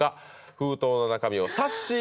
封筒の中身をさっしーにはい！